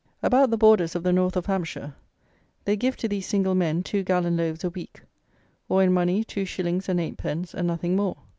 About the borders of the north of Hampshire they give to these single men two gallon loaves a week, or, in money, two shillings and eight pence, and nothing more.